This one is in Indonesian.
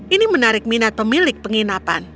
ini menarik minat pemilik penginapan